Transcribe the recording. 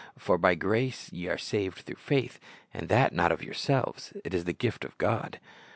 For by grace are ye saved through faith; and that not of yourselves; it is the gift of God."'